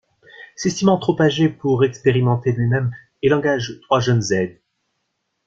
S’estimant trop âgé pour expérimenter lui-même, il engage trois jeunes aides.